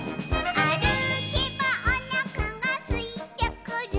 「あるけばおなかがすいてくる」